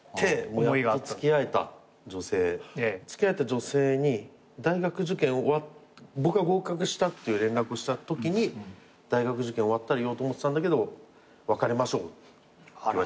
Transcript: やっと付き合えた女性付き合えた女性に大学受験僕が合格したっていう連絡をしたときに「大学受験終わったら言おうと思ってたんだけど別れましょう」って言われたんですよ。